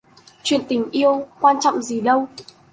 Chuyện tình yêu, quan trọng gì đâu: